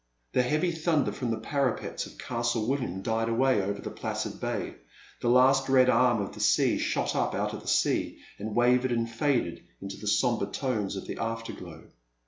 The heavy thunder from the parapets of Castle William died away over the placid bay, the last red arm of the sun shot up out of the sea, and wavered and faded into the sombre tones of the afterglow.